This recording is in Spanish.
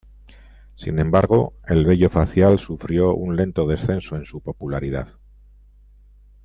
Sin embargo, el vello facial sufrió un lento descenso en su popularidad.